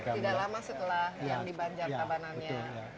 tidak lama setelah yang dibanjar tabanannya